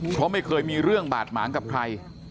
เพราะไม่เคยมีเรื่องบาดหมางกับใคร